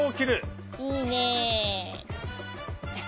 いいね。